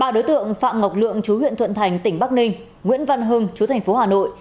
ba đối tượng phạm ngọc lượng chú huyện thuận thành tỉnh bắc ninh nguyễn văn hưng chú thành phố hà nội